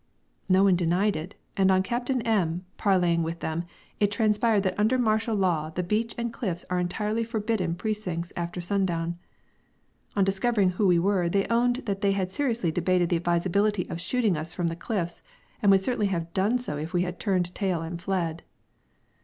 No one denied it, and on Captain M parleying with them, it transpired that under martial law the beach and cliffs are entirely forbidden precincts after sundown. On discovering who we were they owned that they had seriously debated the advisability of shooting us from the cliffs, and would certainly have done so had we turned tail and fled!